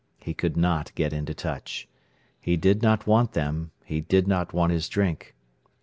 He could not get into touch. He did not want them; he did not want his drink.